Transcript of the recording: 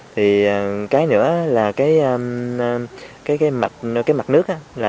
thì cái nữa là cái mặt nước á